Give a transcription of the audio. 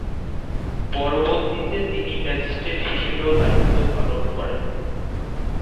পরবর্তীতে তিনি ম্যাজিস্ট্রেট হিসেবেও দায়িত্ব পালন করেন।